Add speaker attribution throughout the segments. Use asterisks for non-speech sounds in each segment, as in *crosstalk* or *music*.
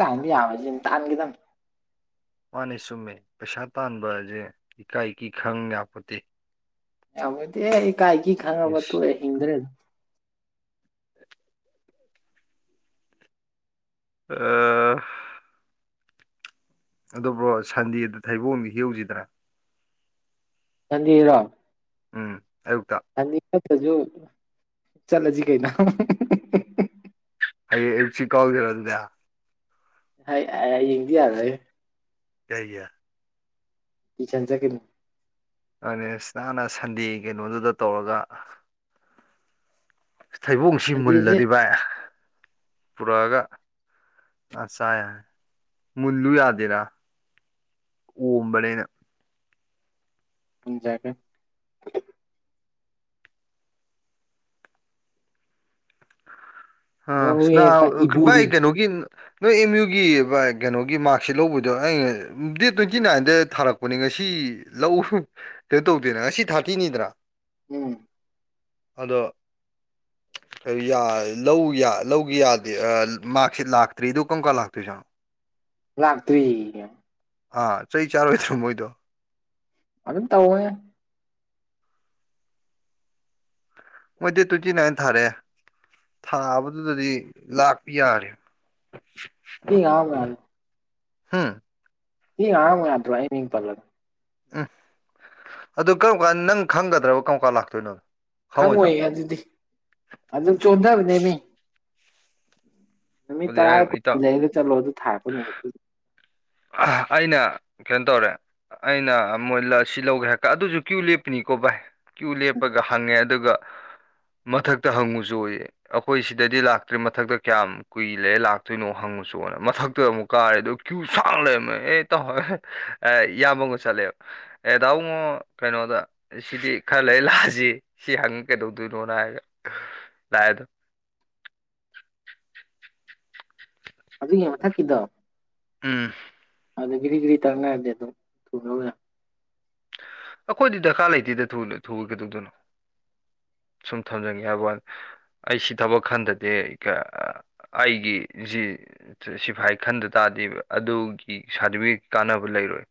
Speaker 1: ꯇꯥꯟ ꯑꯋꯥꯖ ꯊꯥꯟꯒꯗꯝ
Speaker 2: ꯃꯥꯅꯦ ꯆꯨꯝꯃꯦ ꯄꯩꯁꯥ ꯇꯥꯟꯕꯁꯦ ꯏꯀꯥꯏꯒꯤ ꯈꯪ ꯌꯥꯄꯠꯇꯦ
Speaker 1: ꯌꯥꯝꯗꯤ ꯀꯥꯏꯒꯤ ꯈꯉꯕ
Speaker 2: ꯏꯁ
Speaker 1: ꯇ ꯍꯤꯡꯗ꯭ꯔꯦ
Speaker 2: *inaudible* ꯎꯝ ꯑꯗꯨꯕ꯭ꯔꯣ ꯁꯟꯗꯦꯗ ꯊꯩꯕꯣꯡꯗꯤ ꯍꯧꯁꯤꯗ꯭ꯔꯥ
Speaker 1: ꯁꯟꯗꯤꯔꯣ
Speaker 2: ꯎꯝ ꯑꯌꯨꯛꯇ
Speaker 1: ꯑꯗꯤꯠꯇꯁꯨ ꯆꯠꯂꯁꯤ ꯀꯩꯅꯣ
Speaker 2: ꯑꯩꯌꯦ ꯑꯦꯁꯤ ꯀꯥꯎꯜꯗꯔꯣ ꯑꯗꯨꯗ
Speaker 1: ꯌꯦꯡꯗꯤ ꯌꯥꯔꯦ
Speaker 2: ꯀꯒ
Speaker 1: ꯇꯆꯟꯆꯥ ꯀꯂ
Speaker 2: ꯑꯗꯨꯅꯦꯅꯥꯅ ꯁꯟꯗꯦ ꯀꯩꯅꯣꯗꯨꯗ ꯇꯧꯔꯒ ꯊꯩꯕꯣꯡꯁꯤ
Speaker 1: ꯁꯟꯗꯦꯁꯦ
Speaker 2: ꯃꯨꯜꯂꯗꯤ ꯚꯏꯥꯏ ꯄꯨꯔꯛꯑꯒ ꯑ ꯆ ꯃꯨꯜꯂꯨ ꯌꯥꯗꯦꯔꯥ ꯍꯕꯂꯅ
Speaker 1: ꯖꯒꯦ ꯅꯣꯔꯋꯦꯒ
Speaker 2: ꯑꯥꯏ
Speaker 1: ꯏꯕꯣꯔꯤ
Speaker 2: ꯀꯦ ꯅꯨꯒ ꯅꯣꯏ ꯑꯦꯝ ꯌꯨꯒꯤ ꯀꯩꯅꯣꯒꯤ ꯃꯥꯔꯛꯁꯤꯠ ꯂꯧꯕꯗꯣ ꯑꯩꯅ ꯗꯦꯠ ꯇ꯭ꯋꯦꯟꯇꯤ ꯅꯥꯏꯟꯗ ꯊꯥꯔꯛꯄꯅꯦ ꯉꯁꯤ ꯂꯧꯎ ꯀꯩꯅꯣ ꯇꯧꯗꯦꯅ ꯉꯁꯤ ꯊꯥꯔꯇꯤꯅꯤꯗꯅ
Speaker 1: ꯎꯝ
Speaker 2: ꯑꯗꯣ ꯌꯥ ꯂꯧ ꯂꯧꯒꯤ ꯌꯥꯗꯦ ꯃꯥꯔꯁꯤ ꯂꯥꯛꯇ꯭ꯔꯤꯗꯣ ꯀꯔꯝ ꯀꯥꯟ ꯂꯥꯛꯇꯣꯏꯁꯥꯅꯣ
Speaker 1: ꯂꯥꯛꯇ꯭ꯔꯤ
Speaker 2: ꯑꯥ ꯆꯍꯤ ꯆꯩ ꯆꯥꯔꯣꯏꯗ꯭ꯔꯣ ꯃꯣꯏꯗꯣ
Speaker 1: ꯑꯗꯨ ꯇꯎꯉꯦ
Speaker 2: ꯃꯣꯏꯗꯤ ꯇ꯭ꯋꯇꯤ ꯅꯥꯏ ꯊꯔꯦ ꯊꯥꯕꯗꯨꯗꯗꯤ ꯂꯥꯛꯄ ꯌꯥꯔꯦ
Speaker 1: ꯁꯤ
Speaker 2: ꯍꯥꯝ
Speaker 1: ꯍꯉꯝꯃꯦ ꯌꯥꯗ꯭ꯔ ꯏꯩꯅ ꯍꯤꯡꯡ ꯄꯜꯂ
Speaker 2: ꯎꯝ ꯑꯗꯨ ꯀꯔꯝ ꯀꯥꯟ ꯅꯪ ꯈꯪꯒꯗ꯭ꯔꯕ ꯀꯔꯝ ꯀꯥꯟ ꯂꯥꯛꯇꯣꯏꯅꯣ ꯈꯪꯉꯣꯏꯗ꯭ꯔꯣ
Speaker 1: ꯈꯪꯉꯣꯏ ꯑꯗꯨꯗꯤ ꯑꯗꯨꯝ ꯆꯣꯟꯊꯕꯅꯦ ꯃꯤ ꯅꯨꯃꯤꯠ
Speaker 2: ꯑꯗꯨꯗꯤ ꯑꯩ
Speaker 1: ꯇꯔꯥꯗ
Speaker 2: ꯏꯇꯥꯎ
Speaker 1: ꯀꯨꯟꯗꯩꯗ ꯆꯠꯂꯣ ꯑꯗꯨ ꯊꯥꯔꯛꯄ ꯅꯨꯃꯤꯠꯇ
Speaker 2: ꯑꯩꯅ ꯀꯩꯅꯣ ꯇꯧꯔꯦ ꯑꯩꯅ ꯃꯣꯏ ꯑꯁꯤ ꯂꯧꯒꯦ ꯍꯥꯏ ꯑꯗꯨꯁꯨ ꯀ꯭ꯌꯨ ꯂꯦꯞꯄꯅꯤꯀꯣ ꯚꯥꯏ ꯀ꯭ꯌꯨ ꯂꯦꯞꯄꯒ ꯍꯪꯉꯦ ꯑꯗꯨꯒ ꯃꯊꯛꯇ ꯍꯪꯉꯨꯁꯨ ꯑꯣꯏꯌꯦ ꯑꯩꯈꯣꯏ ꯁꯤꯗꯗꯤ ꯂꯥꯛꯇ꯭ꯔꯤ ꯃꯊꯛꯇ ꯀꯌꯥꯝ ꯀꯨꯏ ꯂꯩꯔꯦ ꯂꯥꯛꯇꯣꯏꯅꯣ ꯍꯪꯨꯣꯅ ꯃꯊꯛꯇꯨꯛ ꯀꯥꯔꯦ ꯑ ꯐꯥꯡ ꯂꯩ ꯑꯩ ꯇꯣ ꯍꯣꯏ ꯑꯦ ꯏꯕꯒ ꯆꯠꯂꯦꯕ ꯑꯦꯗꯥꯥꯎꯉꯣ ꯀꯩꯅꯣꯗ ꯁꯤꯗꯤ ꯈꯔ ꯂꯩ ꯂꯥꯛꯑꯁꯤ ꯁꯤ ꯍꯪꯉ ꯀꯩꯗꯧꯗꯣꯏꯅꯣꯅ ꯍꯥꯏꯒ ꯂꯥꯛꯑꯦꯗꯣ
Speaker 1: ꯑꯗꯨꯒꯤ ꯃꯊꯛꯀꯤꯗꯣ
Speaker 2: ꯎꯝ
Speaker 1: ꯑꯗꯨꯗ ꯒꯤꯔꯤꯒ ꯒꯤꯔꯤ ꯇꯔꯅꯔꯗꯤꯦ ꯑꯗꯨ ꯊ
Speaker 2: ꯑꯩꯈꯣꯏꯗꯤ ꯗꯔꯀꯥꯔ ꯂꯩꯇꯦꯗ ꯊꯨꯒꯗꯧꯣꯏꯅꯣ ꯁꯨꯝ ꯊꯝꯖꯅꯤꯡꯒꯦ ꯍꯥꯏꯕ ꯋꯥꯅꯤ ꯑꯩꯁꯤ ꯊꯕꯛ ꯈꯟꯗꯗꯤ ꯑꯩꯒꯤꯁꯤ ꯁꯤꯐꯥꯏ ꯈꯟꯗ ꯇꯥꯗꯤꯕ ꯑꯗꯨꯒꯤ ꯁꯥꯔꯇꯤꯐꯤꯀꯦꯠ ꯀꯥꯟꯅꯕ ꯂꯩꯔꯣꯏ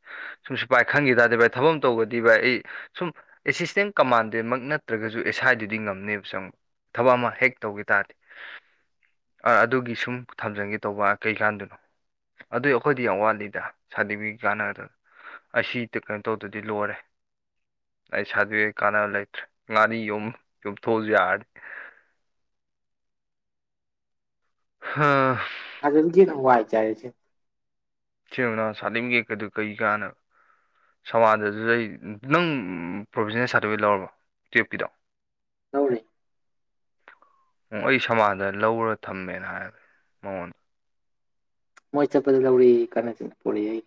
Speaker 2: ꯁꯨꯝꯁꯨ ꯚꯥꯏ ꯈꯪꯈꯤ ꯇꯥꯔꯗꯤ ꯚꯥꯏ ꯊꯕꯛ ꯑꯃ ꯇꯧꯒꯗꯤ ꯚꯥꯏ ꯑꯩ ꯁꯨꯝ ꯑꯦꯁꯤꯁꯇꯦꯟ ꯀꯃꯥꯟꯗꯦꯟꯃꯛ ꯅꯠꯇ꯭ꯔꯒꯁꯨ ꯑꯦꯁꯥꯏꯗꯨꯗꯤ ꯉꯝꯅꯦꯕ ꯆꯪꯕ ꯊꯕꯛ ꯑꯃ ꯍꯦꯛ ꯇꯧꯒꯦ ꯇꯥꯔꯗꯤ ꯑꯗꯨꯒꯤ ꯁꯨꯝ ꯊꯝꯖꯒꯦ ꯇꯧꯕ ꯀꯩꯀꯥꯟꯗꯨꯅꯣ ꯑꯗꯨꯏ ꯑꯩꯈꯣꯏꯗꯤ ꯌꯥꯝ ꯋꯥꯠꯂꯤꯗ ꯁꯥꯔꯇꯤꯐꯤꯀꯦꯠ ꯀꯥꯟꯅꯗ ꯑꯁꯤ ꯀꯩꯅꯣ ꯇꯧꯗꯗꯤ ꯂꯣꯏꯔꯦ ꯑꯩ ꯁꯥꯔꯗꯤꯐꯤꯀꯦꯠ ꯀꯥꯟꯅꯕ ꯂꯩꯇ꯭ꯔꯦ ꯃꯤ ꯌꯨꯝ ꯌꯨꯝꯊ‌ꯣꯛꯑꯁꯨ ꯌꯥꯔꯅꯤ ꯍꯥꯥ
Speaker 1: ꯁꯥꯔꯇꯤꯐꯤꯀ‌ꯦꯠ ꯅ ꯋꯥꯏ ꯆꯥꯏꯔ‌ꯦꯁ‌ꯦ
Speaker 2: ꯁ‌ꯦꯡꯕ ꯅꯥ ꯁꯥꯔꯇꯤꯐꯤꯀ‌ꯦꯠ ꯀꯗ‌ꯣ ꯀꯩ ꯀꯥꯅ ꯁꯃꯥꯟꯗꯨꯗꯩ ꯅꯪ ꯄ꯭ꯔꯣꯚꯤꯖꯟꯅꯦꯜ ꯁꯥꯔꯇꯤꯐꯤꯀꯦꯠ ꯂꯧꯔꯕ‌ꯣ ꯇꯨꯌ‌ꯦꯞꯀꯤꯗ‌ꯣ
Speaker 1: ꯂꯧꯔꯦ
Speaker 2: ꯎ ꯑꯩ ꯁꯃꯥꯟꯗꯅ ꯂꯧꯔ ꯊꯝꯃꯦꯅ ꯍꯥꯏ ꯃꯉꯣꯟ
Speaker 1: ꯃꯣꯏ ꯆꯠꯄꯗ ꯂꯧꯔꯛꯌ‌ꯦ *unintelligible* ꯄꯣꯔ‌ꯦ ꯑꯩ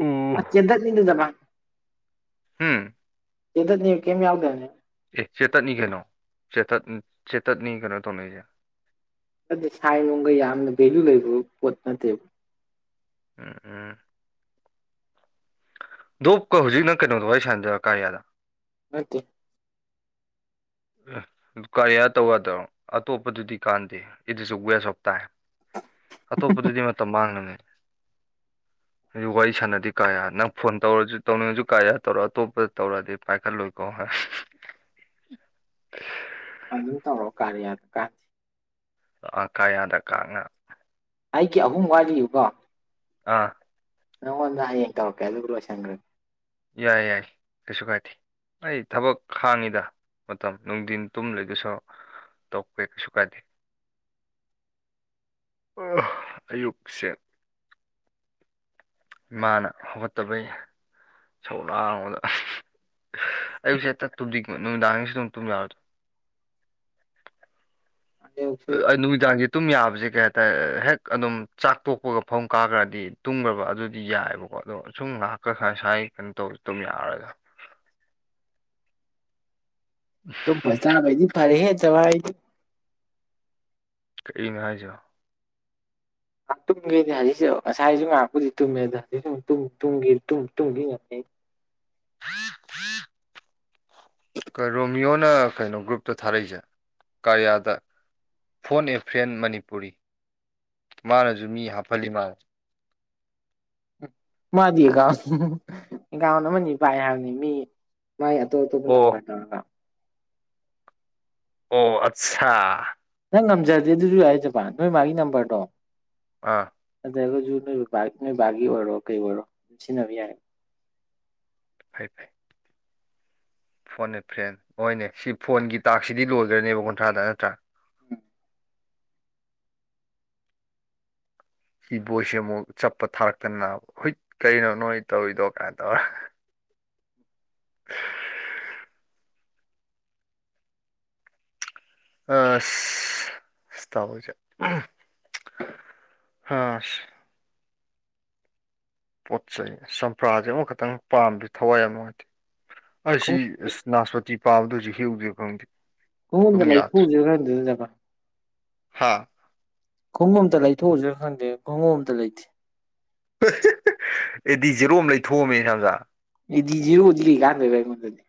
Speaker 2: ꯑꯣ
Speaker 1: ꯆꯦꯟꯗꯠ *unintelligible*
Speaker 2: ꯎꯝ
Speaker 1: ꯆ‌ꯦꯗꯠꯅꯤ ꯀꯩꯝ ꯌꯥꯎꯗꯝꯅꯦ
Speaker 2: ꯑꯦ ꯆ‌ꯦꯇꯠꯅꯤ ꯀꯩꯅꯣ ꯆ‌ꯦꯇꯠ ꯆꯦꯇꯠꯅꯤ ꯀꯩꯅꯣ ꯇꯧꯅꯩꯁꯦ
Speaker 1: ꯑꯗꯨ ꯁꯥꯏꯟꯅꯨꯡꯒ ꯌꯥꯝꯅ ꯚꯦꯂꯨ ꯂꯩꯕ ꯄꯣꯠ ꯅꯠꯇꯦꯕ
Speaker 2: ꯎꯝ ꯎꯝ ꯗꯣꯞꯀ ꯍꯧꯖꯤꯛ ꯀꯩꯅꯣꯗ ꯋꯥꯔꯤ ꯁꯥꯟꯅꯗꯕꯔ ꯀꯥꯔꯌꯥꯗ
Speaker 1: ꯅꯠꯇꯦ
Speaker 2: ꯀꯔꯤꯌꯥ ꯇꯧ ꯌꯥꯗ꯭ꯔ‌ꯣ ꯑꯇꯣꯞꯄꯗꯨꯗꯤ ꯀꯥꯟꯗꯦ it is a waste of time ꯑꯇꯣꯞꯄꯗꯨꯗꯤ ꯃꯇꯝ ꯃꯥꯡꯅꯝꯅ‌ꯦ ꯑꯗꯨ ꯋꯥꯔꯤ ꯁꯥꯟꯅꯗꯤ ꯀꯔꯌꯥ ꯅꯪ ꯐꯣꯟ ꯇꯧꯔꯁꯨ ꯇꯧꯅꯤꯡꯉꯁꯨ ꯀꯔꯌꯥ ꯇꯧꯔ‌ꯣ ꯑꯇꯣꯞꯄꯗ ꯇꯧꯔꯛꯑꯗꯤ ꯄꯥꯏꯈꯠꯂꯣꯏꯀꯣ
Speaker 1: ꯑꯗꯨ ꯇꯧꯔꯛꯑꯣ ꯀꯔꯌꯥꯗ ꯀꯥ
Speaker 2: ꯑ ꯀꯔꯌꯥꯗ ꯀꯥꯉꯥ
Speaker 1: ꯑꯩꯒꯤ ꯑꯍꯨꯝ ꯋꯥꯠꯂꯤꯕꯀꯣ
Speaker 2: ꯑꯥ
Speaker 1: ꯅꯥꯉꯣꯟꯗ ꯍꯌꯦꯡ ꯇꯧꯔꯛꯀ‌ꯦ ꯑꯗꯨꯒ ꯂ‌ꯣꯏꯁꯟꯈꯔ
Speaker 2: ꯌꯥꯏ ꯌꯥꯏ ꯀꯩꯁꯨ ꯀꯥꯏꯗꯦ ꯑꯩ ꯊꯕꯛ ꯍꯥꯡꯉꯤꯗ ꯃꯇꯝ ꯅꯨꯡꯊꯤꯟ ꯇꯨꯝ ꯂꯩꯗꯨꯏ ꯁꯔꯨꯛ ꯇ‌ꯣꯛꯄ‌ꯦ ꯀꯩꯁꯨꯨ ꯀꯥꯗꯦ *unintelligible* ꯑꯌꯨꯛꯁꯦ ꯏꯃꯥꯅ ꯍꯧꯒꯠꯇꯕꯩ ꯏꯁꯧ ꯂꯥꯡꯕꯗ ꯑꯌꯨꯛꯁꯦ ꯍ‌ꯦꯛꯇ ꯇꯨꯝꯅꯤꯡꯕ ꯅꯨꯃꯤꯗꯥꯡꯒꯤꯁꯨ ꯑꯗꯨꯝ ꯇꯨꯝ ꯌꯥꯔ‌ꯣꯏꯗ
Speaker 1: ꯍꯧꯖꯤꯛꯁꯦ
Speaker 2: ꯑꯩ ꯅꯨꯃꯤꯗꯥꯡꯒꯤ ꯇꯨꯝ ꯌꯥꯕꯁꯦ ꯀꯩ ꯍꯥꯏꯇꯥꯔꯦ ꯍꯦꯛ ꯑꯗꯨꯝ ꯆꯥꯛ ꯇꯣꯛꯄꯒ ꯐꯃꯨꯡ ꯀꯥꯈ꯭ꯔꯗꯤ ꯇꯨꯝꯈ꯭ꯔꯕ ꯑꯗꯨꯗꯤ ꯌꯥꯏꯕꯀꯣ ꯑꯗꯣ ꯁꯨꯝ ꯉꯍꯥꯛꯀ ꯁꯥꯏ ꯁꯥꯏ ꯀꯩꯅꯣ ꯇꯧꯁꯤ ꯇꯨꯝ ꯌꯥꯔꯔ‌ꯣꯏ
Speaker 1: ꯇꯨꯝꯕꯒ ꯆꯥꯕꯒꯗꯤ ꯐꯔꯦ ꯍꯦ *unintelligible* ꯑꯩꯗꯤ
Speaker 2: ꯀꯔꯤꯅꯣ ꯍꯥꯏꯁ‌ꯣ
Speaker 1: ꯉꯥꯛ ꯇꯨꯝꯒꯦꯗꯤ ꯍꯧꯖꯤꯛꯁꯨ ꯉꯁꯥꯏꯁꯨ ꯉꯥꯏꯍꯛꯄꯨꯗꯤ ꯇꯨꯝꯃꯦ ꯑꯗ ꯍꯧꯖꯤꯛꯁꯨ ꯃꯨꯛ ꯇꯨꯝ ꯇꯨꯝ ꯇꯨꯝꯒ‌ꯦ *unintelligible*
Speaker 2: *unintelligible* ꯀ ꯔꯣꯃꯤꯌꯣꯅ ꯀꯩꯅꯣ ꯒ꯭ꯔꯨꯞꯇ ꯊꯥꯔꯛꯏꯁꯦ ꯀꯥꯔꯤꯌꯥꯗ ꯐꯣꯟ ꯑꯦꯐ꯭ꯔꯦꯟ ꯃꯅꯤꯄꯨꯔꯤ ꯃꯥꯅꯁꯨ ꯃꯤ ꯍꯥꯞꯐꯜꯂꯤ ꯃꯥꯜ
Speaker 1: ꯎ ꯃꯥꯗꯤ ꯑꯦꯀꯥꯎꯟ ꯑꯦꯀꯥꯎꯟ ꯑꯃꯅꯤ ꯄꯥꯏ ꯍꯥꯏꯕꯅꯤ ꯃꯤ ꯃꯥꯏ ꯑꯇ‌ꯣꯞ ꯑꯇꯣꯞꯕ
Speaker 2: ꯑꯣ
Speaker 1: ꯅꯝꯕꯔꯇꯒ
Speaker 2: ꯑꯣ ꯑꯠꯆꯥꯥ
Speaker 1: ꯅꯪ ꯉꯝꯖꯔꯗꯤ ꯑꯗꯨꯁꯨ ꯌꯥꯏꯖꯕ ꯅꯣꯏ ꯃꯥꯒꯤ ꯅꯝꯕꯔꯗꯣ
Speaker 2: ꯑꯥ
Speaker 1: ꯑꯗꯨꯠꯇ꯭ꯔꯒꯁꯨ ꯅꯣꯏꯕꯕ ꯅꯣꯏ ꯕꯕꯥꯒꯤ ꯑꯣꯏꯔꯣ ꯀꯩ ꯑꯣꯏꯔꯣ ꯑꯗꯨꯝ ꯁꯤꯖꯤꯟꯅꯕ ꯌꯥꯏ
Speaker 2: ꯐꯩ ꯐꯦ ꯐꯣꯟꯅꯦ ꯐ꯭ꯔꯦꯟ ꯍꯣꯏꯅꯦ ꯁꯤ ꯐꯣꯟꯒꯤ ꯇꯥꯛꯁꯤꯗꯤ ꯂꯣꯏꯈ꯭ꯔꯅꯦꯕ ꯀꯨꯟꯊ꯭ꯔꯥꯗ ꯅꯠꯇ꯭ꯔꯥ ꯏ ꯕꯣꯏꯁꯦ ꯑꯃꯨꯛ ꯆꯠꯄ ꯊꯥꯔꯛꯇꯅꯕ ꯍꯨꯏꯠ ꯀꯅꯣ ꯅꯣꯏ ꯇꯧꯔꯤꯗꯣ ꯀꯃꯥꯏꯅ ꯇꯧꯔ *unintelligible* ꯑ ꯇꯕꯨꯖꯦ ꯍꯥ ꯄꯣꯠ ꯆꯩꯩ ꯆꯝꯄ꯭ꯔꯥꯁꯦ ꯑꯃꯈꯛꯇꯪ ꯄꯥꯝꯦ ꯊꯋꯥꯏ ꯑꯃꯉꯇꯦ ꯑꯩꯁꯤ
Speaker 1: ꯈꯣꯡ
Speaker 2: ꯑꯁ ꯅꯥꯁꯄꯇꯤ ꯄꯥꯕꯗ ꯍꯧꯖꯤꯛ ꯍꯦꯛꯎꯗꯦꯕ ꯈꯪꯗꯦ
Speaker 1: ꯍꯟꯗ
Speaker 2: ꯇꯨꯝ
Speaker 1: ꯂꯩ ꯊꯨꯁꯨ ꯈꯔꯗꯅꯖꯕ
Speaker 2: ꯍꯥꯥ
Speaker 1: ꯈꯣꯡꯕꯣꯝꯇ ꯂꯩꯊꯣꯛꯎꯁꯤꯥ ꯈꯪꯗꯦ ꯈꯣꯡꯎꯣꯝꯇ ꯂꯩꯇꯦ
Speaker 2: ꯑꯦꯗꯤ ꯖꯦꯔꯣ ꯑꯃ ꯂꯩꯊꯣꯛꯑꯝꯃꯦ ꯁꯖꯥ
Speaker 1: ꯏꯗꯤꯖꯤꯔꯗꯤ ꯀꯥꯟꯗꯣꯏꯕꯗꯗꯤ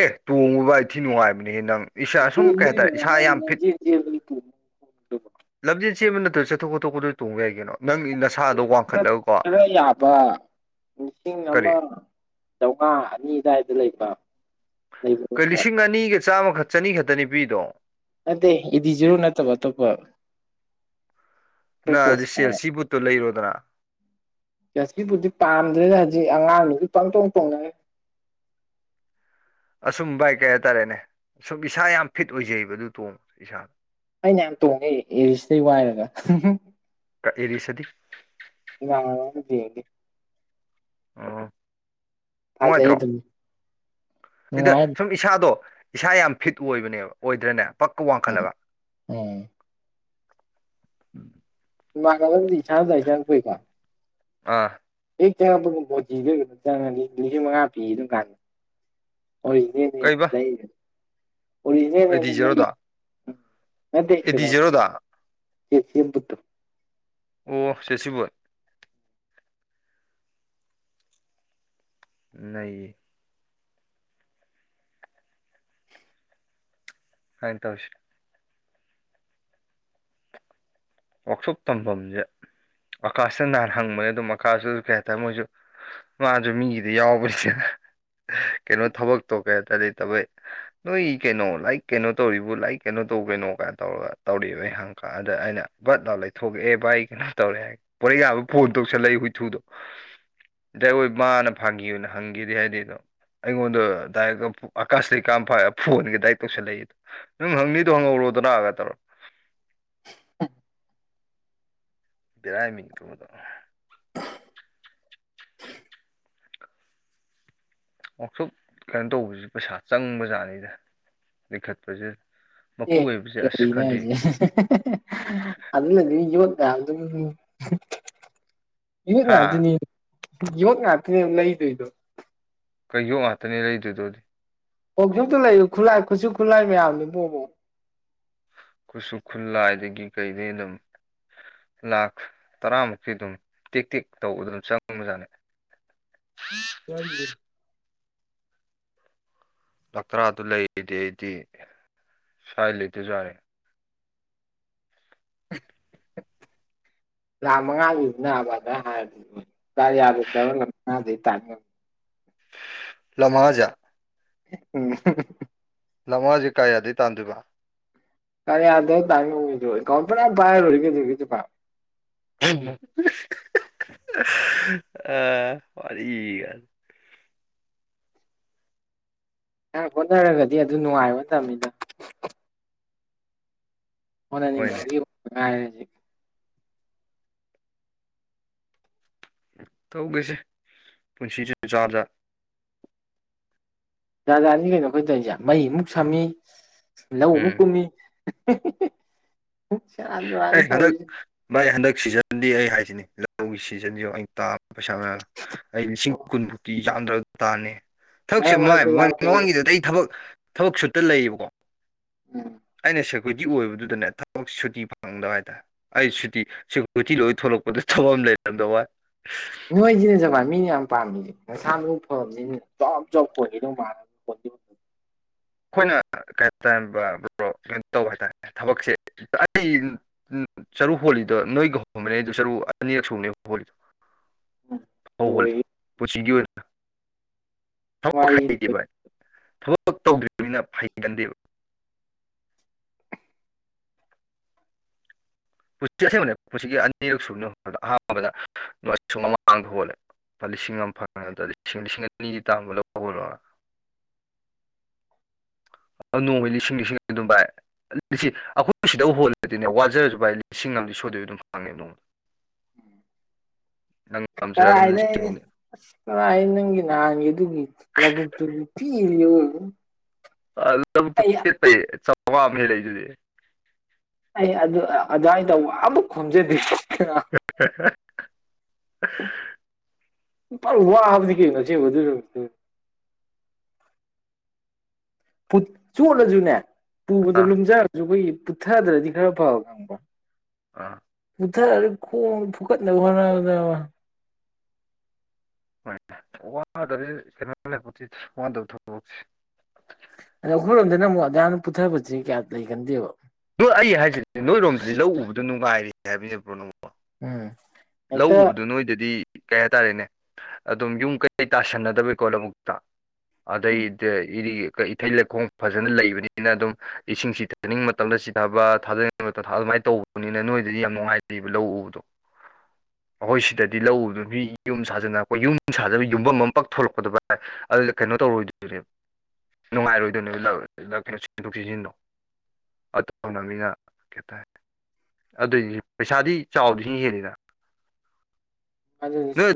Speaker 2: ꯑꯦ ꯇꯣꯡꯉꯨꯕ ꯑꯩꯊꯤ ꯅꯨꯡꯉꯥꯏꯕꯅꯦꯍꯦ ꯅꯪ ꯏꯁ ꯁꯨꯝ ꯀꯩ
Speaker 1: ꯇꯣꯡꯕꯗꯤ
Speaker 2: ꯍꯥꯏꯇꯥꯔꯦ ꯏꯁꯥ
Speaker 1: ꯅꯨꯡꯉꯥꯏ
Speaker 2: ꯌꯥꯝ ꯐꯤꯠ
Speaker 1: ꯂꯝꯖꯦꯜ ꯆꯦꯟꯕꯗꯤ ꯇꯣꯡꯕ ꯈꯣꯡꯎꯞꯇꯨꯕꯨ
Speaker 2: ꯂꯝꯖꯦꯟ ꯆꯦ ꯑꯃ ꯅꯠꯇꯣꯏ ꯆꯠꯊꯣꯛ ꯈꯣꯠꯇꯣꯛꯀꯗꯣꯏ ꯇꯣꯡꯕ ꯌꯥꯏꯒꯤꯩꯅꯣ ꯅꯪ ꯅꯁꯥꯗꯣ ꯋꯥꯡꯈꯠꯂꯒꯀꯣ
Speaker 1: ꯈꯔ ꯌꯥꯕ ꯂꯤꯁꯤꯡ
Speaker 2: ꯀꯔꯤ
Speaker 1: ꯑꯃ ꯆꯥꯝꯃꯉꯥ ꯑꯅꯤ ꯑꯗꯨꯋꯥꯏꯗ ꯂꯩꯕ ꯂꯩꯕ
Speaker 2: ꯀꯩ
Speaker 1: ꯄꯣꯠ
Speaker 2: ꯂꯤꯁꯤꯡ ꯑꯅꯤꯒ ꯆꯥꯝꯃꯈꯛ ꯆꯅꯤ ꯈꯛꯇ ꯅꯨꯄꯤꯗꯣ
Speaker 1: ꯑꯗꯦ ꯏꯗꯤ ꯔꯨ ꯅꯠꯇꯕ ꯑꯇꯣꯞꯄ ꯈꯔ
Speaker 2: ꯅꯪꯗꯤ
Speaker 1: ꯄꯣꯠꯁ
Speaker 2: ꯁꯦꯜ ꯁꯤ ꯕꯨꯠꯇꯣ ꯂꯩꯔꯣꯗꯅ
Speaker 1: ꯆꯥꯁꯤꯕꯨꯗꯤ ꯄꯥꯝꯗ꯭ꯔꯦꯅ ꯍꯧꯖꯤꯛ ꯑꯉꯥꯡꯗꯨꯁꯨ ꯄꯪ ꯇꯣꯡ ꯇꯣꯡꯅꯔꯦ
Speaker 2: ꯑꯁꯨꯝ ꯕꯥꯏ ꯀꯩ ꯍꯥꯏꯇꯥꯔꯦꯅꯦ ꯁꯨꯝ ꯏꯁꯥ ꯌꯥꯝ ꯐꯤꯠ ꯑꯣꯏꯖꯩꯕ ꯑꯗꯨ ꯇꯣꯡꯕꯁꯦ ꯏꯁꯥꯗ
Speaker 1: ꯑꯩꯅ ꯌꯥꯝ ꯇꯣꯡꯉꯦ ꯑꯦꯔꯤꯁꯤꯗꯩ ꯋꯥꯏꯔꯒ
Speaker 2: ꯀ ꯑꯦꯔꯤꯁꯗꯤ
Speaker 1: ꯗꯤꯦ
Speaker 2: ꯑꯣ
Speaker 1: ꯐꯖꯩ
Speaker 2: ꯅꯨꯡꯉꯥꯏꯇ꯭ꯔꯣ
Speaker 1: ꯑꯗꯨꯝ
Speaker 2: ꯏꯗ
Speaker 1: ꯅꯨꯡꯉꯥꯏ
Speaker 2: ꯁꯨꯝ ꯏꯁꯥꯗꯣ ꯏꯁꯥ ꯌꯥꯝ ꯐꯤꯠ ꯑꯣꯏꯕꯅꯦꯕ ꯑꯣꯏꯗ꯭ꯔꯅꯦ ꯄꯛꯀ
Speaker 1: ꯎꯝ
Speaker 2: ꯋꯥꯡꯈꯠꯂꯒ
Speaker 1: ꯎꯝ ꯃꯥꯔꯒꯗꯤꯁꯅ ꯆ ꯆ ꯄꯏ ꯀ
Speaker 2: ꯑꯥ
Speaker 1: ꯑꯩ ꯆꯪꯉꯛꯄꯒꯨꯝꯕꯣꯪꯉ ꯂꯤꯁꯤꯡ ꯃꯉꯥ ꯄꯤ ꯑꯗꯨꯝ ꯀꯥꯟꯗ ꯍꯣꯏ ꯅꯅꯦ ꯂꯩ
Speaker 2: ꯑꯦꯗꯤꯖꯦꯔꯣꯗ
Speaker 1: ꯃ
Speaker 2: ꯑꯣ ꯁꯦꯠꯁꯤꯕꯨ ꯅ ꯍꯥꯏ ꯇꯧ ꯏꯁ ꯋꯥꯛꯁꯣꯞ ꯇꯝꯐꯝꯁꯦ ꯑꯀꯥꯁꯇ ꯅꯍꯥꯟ ꯍꯪꯕꯅꯦ ꯑꯗꯨꯝ ꯑꯀꯥꯁꯇꯁꯨ ꯀꯩ ꯍꯥꯏꯇꯥꯔꯦ ꯃꯣꯏꯁꯨ ꯃꯥꯁꯨ ꯃꯤꯒꯤꯗꯤ ꯌꯥꯎꯕꯅꯤꯁꯅ ꯀꯩꯅꯣ ꯊꯕꯛꯇꯣ ꯀꯩ ꯍꯥꯏꯇꯥ ꯂꯩꯇꯕꯩ ꯅꯣꯏ ꯀꯩꯅꯣ ꯂꯥꯏꯔꯤꯛ ꯀꯩꯅꯣ ꯇꯧꯔꯤꯕ ꯂꯥꯏꯔꯤꯛ ꯀꯩꯅꯣ ꯇꯧꯈꯩꯅꯣ ꯀꯥꯏꯅ ꯇꯧꯔꯒ ꯇꯧꯔꯕ ꯑꯩ ꯍꯪꯀ ꯑꯗ ꯑꯩꯅ ꯕꯠ ꯂꯥꯥꯎ ꯂꯩꯊꯣꯛꯛꯦ ꯚ ꯑꯩ ꯀꯩꯅꯣ ꯇꯧꯔꯦ ꯍꯥꯏ ꯄꯣꯔꯩ ꯌꯥꯕ ꯐꯣꯟ ꯇꯧꯁꯜꯂꯛꯏ ꯍꯨꯏꯊꯨꯗꯣ ꯩ ꯍꯣꯏ ꯃꯥꯅ ꯐꯥꯒꯤꯌꯣꯅ ꯍꯪꯈꯤꯦ ꯍꯥꯏꯗꯤ ꯑꯗꯣ ꯑꯩꯉꯣꯟꯗ ꯗꯥꯏꯔꯦꯛ ꯑꯀꯥꯁꯇ ꯀꯔꯝ ꯐ ꯐꯣꯟꯒ ꯗꯥꯏꯔꯦꯛ ꯇꯧꯁꯜꯂꯛꯏ ꯅꯪ ꯍꯪꯅꯤꯗꯗꯨ ꯍꯪꯉꯧꯔꯣ ꯑꯗꯨꯅ ꯍꯥꯏꯒ ꯇꯔꯣ ꯕꯔꯥꯏꯃꯤ ꯅꯨꯗ ꯋꯥꯛꯁꯣꯞ ꯀꯩꯅꯣ ꯇꯧꯕꯁꯤ ꯄꯩꯁꯥ ꯆꯪꯕꯖꯥꯠꯅꯤꯗ ꯂꯤꯡꯈꯠꯄꯁꯤ
Speaker 1: ꯑꯦ ꯀꯔꯤꯗꯖꯤꯦ ꯑꯗꯨꯅ ꯗꯤ ꯌ‌ꯣ ꯇꯥꯒꯗꯝꯅꯤ ꯌꯣꯠ
Speaker 2: ꯍꯥ
Speaker 1: ꯉꯥꯛꯇꯅꯤ ꯌꯣꯠ ꯉꯥꯛꯇꯅꯦ ꯂꯩꯗꯣꯏꯗꯣ
Speaker 2: ꯀꯩ ꯌꯣ ꯉꯥꯛꯇꯅꯦ ꯂꯩꯗꯣꯏꯗꯣꯗꯤ
Speaker 1: ꯋꯥꯛꯁ‌ꯣꯛꯇ ꯂꯩꯕꯥ ꯈꯨꯠꯂꯥꯏ ꯈꯨꯠꯁꯨ ꯈꯨꯠꯂꯥꯏ ꯃꯌꯥꯝꯗꯨ ꯕ‌ꯣ ꯕꯣ
Speaker 2: ꯈꯨꯠꯁꯨ ꯈꯨꯜꯂꯥꯏꯗꯒꯤ ꯀꯩꯗꯩ ꯑꯗꯨꯝ ꯂꯥꯛ ꯇꯔꯥꯃꯨꯛꯇꯤ ꯑꯗꯨꯝ ꯇ‌ꯦꯛ ꯇ‌ꯦꯛ ꯇꯧꯕꯗꯥ ꯑꯗꯨꯝ ꯆꯪꯉꯕꯖꯥꯅꯤ *inaudible*
Speaker 1: ꯆꯪꯗ‌ꯦ
Speaker 2: ꯄꯀꯔꯥ ꯗꯨ ꯂꯩꯔꯗꯤ ꯑꯩꯗꯤ ꯁ꯭ꯋꯥꯏ ꯂꯩꯇꯔꯖꯨ ꯌꯥꯔꯦ *inaudible*
Speaker 1: ꯂꯥꯛ ꯃꯉꯥꯗꯨ ꯅꯥꯕꯅ ꯍꯥꯏꯕꯗꯗꯤ ꯇꯥꯌꯥꯗ‌ꯦ *unintelligible*
Speaker 2: ꯂꯥꯛ ꯃꯉꯥꯖ‌ꯦ
Speaker 1: ꯎꯝ
Speaker 2: ꯂꯥꯛ ꯃꯉꯥꯖ‌ꯦ ꯀꯌꯥꯗꯩ ꯇꯥꯟꯗꯣꯏꯕ
Speaker 1: *unintelligible* ꯑ‌ꯦꯀꯋꯥꯟ ꯐꯅꯥꯝ ꯄꯥꯏꯔꯥ ꯂ‌ꯣꯏꯔ‌ꯦ ꯀꯩꯗꯧ ꯔꯒ‌ꯦ ꯑꯗꯨꯕ‌ꯣ
Speaker 2: *unintelligible* ꯑꯥ ꯋꯥꯔꯤ ꯒꯥ
Speaker 1: ꯅꯪ ꯍꯣꯠꯅꯔꯒꯗꯤ ꯑꯗꯨ ꯅꯨꯉꯥꯏꯕ ꯇꯝꯃꯤꯗ‌ꯣ ꯍ‌ꯣꯠꯅꯥ
Speaker 2: ꯍꯣꯏꯅꯦ
Speaker 1: ꯅꯤꯡꯗꯔꯗꯤ ꯅꯨꯡꯉꯥꯏꯔꯖꯤ
Speaker 2: ꯇꯧꯒ‌ꯦꯁꯦ ꯄꯨꯟꯁꯤ ꯖ‌ꯦ ꯖꯥꯖꯥ
Speaker 1: ꯖꯥꯖꯥꯅꯤ ꯀꯩꯅꯣ ꯑꯩꯈꯣꯏ ꯇꯧꯏꯁꯦ ꯃꯩ ꯑꯃꯨꯛ ꯁꯝꯃꯤ ꯂꯧ ꯑꯃꯨꯛ
Speaker 2: ꯎꯝ
Speaker 1: ꯀꯨꯝꯃꯤ ꯁꯦꯔꯥꯟ ꯇꯨꯔꯥꯟꯅꯤ
Speaker 2: ꯑꯩ ꯍꯟꯗꯛ
Speaker 1: ꯇꯧꯔꯤꯁꯦ
Speaker 2: ꯚꯥꯏ ꯍꯟꯗꯛ ꯁꯤꯖꯟꯗꯤ ꯑꯩ ꯍꯥꯏꯖꯤꯅꯤ ꯂꯧꯒꯤ ꯁꯤꯖꯟꯁꯤ ꯑꯩꯅ ꯇꯥꯕ ꯄꯩꯁꯥ ꯃꯌꯥꯝ ꯑꯩ ꯂꯤꯁꯤꯡ
Speaker 1: ꯑꯣ
Speaker 2: ꯀꯨꯟꯃꯨꯛꯀꯤ ꯆꯥꯡꯗꯥ ꯇꯥꯟꯅ‌ꯦ ꯊꯕꯛꯁꯦ
Speaker 1: ꯃꯔꯛ
Speaker 2: ꯃꯥꯏ
Speaker 1: ꯃꯔꯛꯇ ꯌꯥꯎꯔꯛꯀꯦ ꯑꯩꯁꯨ
Speaker 2: ꯃꯃꯥꯡꯒꯤꯗꯨꯗꯩ ꯊꯕꯛ ꯊꯕꯛ ꯁꯨꯠꯇ ꯂꯩꯌꯦꯕꯀꯣ
Speaker 1: ꯎꯝ
Speaker 2: ꯑꯩꯅ ꯁꯦꯀꯨꯔꯤꯇꯤ ꯑꯣꯏꯕꯗꯨꯗꯅꯦ ꯊꯕꯛ ꯁꯨꯇꯤ ꯐꯪꯗꯕ ꯍꯥꯏꯇꯥꯔꯦ ꯑꯩ ꯁꯨꯇꯤ ꯁꯦꯀꯨꯔꯤꯇꯤ ꯂꯣꯏ ꯊꯣꯛꯂꯛꯄꯗꯥ ꯊꯕꯛ ꯑꯃ ꯂꯩꯔꯝꯗ ꯋꯥꯟ
Speaker 1: ꯅꯣꯏꯖꯤꯅ‌ꯦ ꯖꯃꯥꯟ ꯃꯤꯅ ꯌꯥꯝ ꯄꯥꯝꯃꯤꯖ‌ꯦ ꯅꯁꯥ ꯅꯥꯎ ꯐꯕꯖꯤꯅ‌ꯦ ꯖ‌ꯣꯞ ꯖ‌ꯣꯞ ꯈ‌ꯣꯟꯒꯤ ꯗꯧ ꯃꯥꯟ ꯈ‌ꯣꯟꯗꯤ
Speaker 2: ꯑꯩꯈꯣꯏꯅ *unintelligible* ꯇꯧꯕ ꯍꯥꯏꯇꯥꯔꯦ ꯊꯕꯛꯁꯦ ꯑꯩ ꯎꯝ ꯆꯔꯨ ꯍꯣꯂꯤꯗꯣ ꯅꯣꯏꯒ ꯍ‌‌ꯣꯟꯕꯅ‌ꯦ ꯑꯗꯨ ꯆꯔꯨ ꯑꯅꯤꯔꯛ ꯁꯨꯕꯅꯦ ꯍꯣꯂꯤꯗꯣ ꯐꯧ ꯒꯥꯖ‌ꯦ
Speaker 1: ꯂꯣꯏꯔꯦ
Speaker 2: ꯄꯨꯟꯁꯤꯒꯤ ꯑ‌ꯣꯏ ꯅꯥ ꯊꯕꯛ
Speaker 1: ꯋꯥꯔꯤ
Speaker 2: ꯍꯩꯇꯦ ꯚꯥꯏ ꯊꯕꯛ ꯇꯧꯗ꯭ꯔꯤꯕꯅꯤꯅ ꯐꯩꯒꯟꯗꯦꯕ ꯄꯨꯟꯁꯤ ꯑꯁꯕꯅꯦ ꯄꯨꯟꯁꯤꯒꯤ ꯑꯅꯤꯔꯛ ꯁꯨꯕꯅꯤ ꯑꯍꯥꯟꯕꯗ *unintelligible* ꯃꯃꯥꯡꯗ ꯍꯣꯜꯂꯦ ꯂꯨꯄꯥ ꯂꯤꯁꯤꯡ ꯑꯃ ꯐꯪꯉ‌ꯦ ꯑꯗꯨꯗꯥꯗꯤ ꯂꯤꯁꯤꯡ ꯂꯤꯁꯤꯡ ꯑꯅꯤꯒꯤ ꯇꯥꯕ ꯂꯧ *unintelligible* ꯅꯣꯡꯃꯩ ꯂꯤꯁꯤꯡ ꯂꯤꯁꯤꯡ ꯑꯗꯨꯝ ꯚꯥꯏ ꯂꯤꯁꯤ ꯑꯩꯈꯣꯏ ꯁꯤꯗ ꯍꯣꯜꯂꯗꯤꯅꯦ ꯋꯥꯖꯔꯖꯨ ꯚꯥꯏ ꯂꯤꯁꯤꯡ ꯑꯃꯥ ꯗꯤ ꯁꯣꯏꯗꯕꯤ ꯑꯗꯨꯝ ꯐꯪꯉꯦ ꯅ‌‌ꯣꯡ ꯅꯪ ꯉꯝꯖꯔꯒꯅ
Speaker 1: ꯀꯔꯥꯏꯗꯩ
Speaker 2: ꯂꯤꯁꯤꯡ
Speaker 1: ꯑꯁ ꯀꯔꯥꯏ ꯅꯪꯒꯤ ꯅꯍꯥꯟ ꯒꯤ ꯑꯗꯨꯒꯤ ꯂꯕꯨꯛ ꯇꯨꯗꯤ ꯊꯤꯍ‌ꯦ ꯑꯋ‌ꯣꯏꯕꯥ
Speaker 2: ꯑꯥ ꯂꯕꯨꯛꯇꯨ ꯄ‌ꯦꯠꯄꯩ ꯆꯋꯥꯕꯅ‌ꯦ ꯂꯩꯗꯨꯗꯤ
Speaker 1: ꯑꯩ ꯑꯗꯨ ꯑꯗꯨꯋꯥꯏ ꯗꯥ ꯋꯥ ꯑꯃꯨꯛ ꯈꯣꯝꯖꯗꯦ
Speaker 2: *unintelligible*
Speaker 1: ꯐꯥ ꯋꯥꯕꯅꯤ ꯀꯩꯅ‌ꯣ ꯑꯁ‌ꯦꯡꯕꯥ ꯑꯗꯨ ꯅꯨꯃꯤꯠ ꯇꯨꯗꯤ ꯐꯨꯠ ꯆꯣꯠꯂꯖꯨꯅꯦ ꯄꯨꯕꯗꯥ
Speaker 2: ꯑꯥ
Speaker 1: ꯂꯨꯝꯖꯔꯖꯨ ꯑꯩꯈꯣꯏꯒꯤ ꯄꯨꯠꯊꯗ꯭ꯔꯗꯤ ꯈꯔ ꯐꯕ ꯈꯪꯕ꯭ꯔꯣ
Speaker 2: ꯑꯥ
Speaker 1: ꯄꯨꯨꯊꯔꯥꯒ ꯈꯣꯡ ꯐꯨꯛꯀꯠꯅꯕ ꯍꯣꯠꯅꯕꯗ ꯕꯥ
Speaker 2: ꯍ‌‌ꯣꯏ *unintelligible* ꯋꯥꯟ ꯇꯧ ꯊ‌ꯣꯛꯍꯧꯁ‌ꯦ
Speaker 1: ꯑꯗ ꯑꯩꯈꯣꯏ ꯔ‌ꯣꯝꯗꯅ ꯑꯃꯨꯛ ꯑꯗꯌꯥꯝꯅ ꯄꯨꯠꯊꯕꯖ‌ꯦ ꯀꯌꯥ ꯂꯩꯒꯟꯗꯦꯕ
Speaker 2: ꯅꯣꯏ ꯑꯩ ꯍꯥꯏꯖꯤꯅꯤ ꯅꯣꯏꯔꯣꯝꯗꯗꯤ ꯂꯧ ꯎꯕꯗꯣ ꯅꯨꯡꯉꯥꯏꯌ‌ꯦ ꯍꯥꯏꯕꯅꯤꯅꯦ ꯕ꯭ꯔꯣ ꯅꯪ
Speaker 1: ꯎꯝ
Speaker 2: ꯂꯧ
Speaker 1: ꯍꯦꯛꯇ
Speaker 2: ꯎꯕꯗ‌ꯣ ꯅꯣꯏꯗꯗꯤ ꯀꯩ ꯍꯥꯏꯇꯥꯔꯦꯅꯦ ꯑꯗꯨꯝ ꯌꯨꯝ ꯀꯩꯀꯩ ꯇꯥꯁꯟꯅꯗꯕꯩꯀꯣ ꯂꯧꯕꯨꯛꯇ ꯑꯗꯩ
Speaker 1: ꯎꯝ
Speaker 2: ꯏꯊꯩ ꯂꯩꯈꯣꯡ ꯐꯖꯅ ꯂꯩꯕꯅꯤꯅ ꯑꯗꯨꯝ ꯏꯁꯤꯡ ꯆꯤꯊꯥꯅꯤꯡꯕ ꯃꯇꯝꯗ ꯆꯤꯊ ꯊꯥ ꯀ ꯇꯣꯊꯥ ꯑꯗꯨꯃꯥꯏꯅ ꯇꯧꯕꯅꯤꯅ ꯅꯣꯏꯗꯗꯤ ꯌꯥꯝ ꯅꯨꯡꯉꯥꯏꯖꯩꯑꯕ ꯂꯧ ꯎꯕꯗꯣ ꯑꯩꯈꯣꯏ ꯁꯤꯗꯗꯤ ꯂꯧꯗꯣ ꯃꯤ ꯌꯨꯝ ꯁꯥꯖꯅ ꯑꯩꯈꯣꯏ ꯌꯨꯝ ꯁꯥꯖꯕ ꯌꯨꯝꯐꯝ ꯑꯃ ꯄꯛ ꯊꯣꯛꯂꯛꯀꯗꯕ ꯑꯗꯨꯗ ꯀꯩꯅꯣ ꯇꯧꯔꯣꯏꯗꯣꯏꯅꯦꯕ ꯅꯨꯡꯉꯥꯏꯔꯣꯏꯗꯣꯏꯅꯦꯕ ꯀꯩꯅꯣ ꯁꯤꯗꯣꯛ ꯁꯤꯖꯤꯟꯗꯣ ꯑꯅ ꯃꯤꯅ ꯀꯦꯇꯥꯏ ꯑꯗꯨꯏ ꯄꯩꯁꯥꯗꯤ ꯆꯥꯎꯗꯤ ꯁꯤ ꯍꯦꯜꯂꯤꯗ
Speaker 1: ꯃꯥ ꯑꯗꯨꯗꯤꯨꯤꯅꯤ
Speaker 2: ꯅꯣꯏ